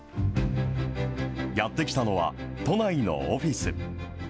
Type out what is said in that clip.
やって来たのは、都内のオフィス。